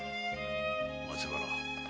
松原。